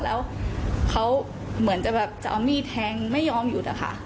แล้วเหมือนจะเอามีแทงไม่ยอมหยุด